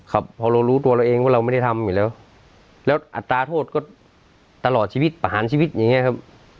ครับพอเรารู้ตัวเราเองว่าเราไม่ได้ทำอยู่แล้วแล้วอัตราโทษก็ตลอดชีวิตประหารชีวิตอย่างเงี้ครับ